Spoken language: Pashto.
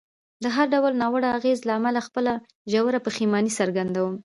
د هر ډول ناوړه اغېز له امله خپله ژوره پښیماني څرګندوم.